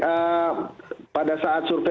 bagaimana anda menerjemahkan angka empat puluh berapa